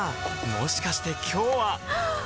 もしかして今日ははっ！